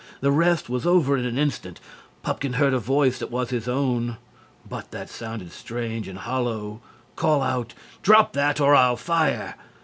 The rest was over in an instant. Pupkin heard a voice that was his own, but that sounded strange and hollow, call out: "Drop that, or I'll fire!"